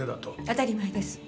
当たり前です。